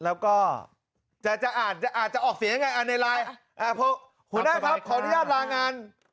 แล้วถ้าไอกสนำเสร็จเป็นจะยังไง